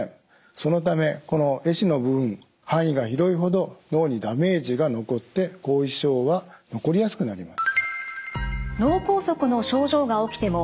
そのためこのえ死の部分範囲が広いほど脳にダメージが残って後遺症は残りやすくなります。